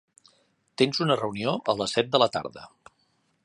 Tens una reunió a les set de la tarda.